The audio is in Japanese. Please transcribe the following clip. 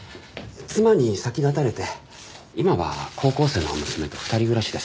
妻に先立たれて今は高校生の娘と２人暮らしです。